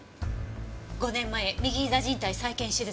５年前右膝靱帯再建手術。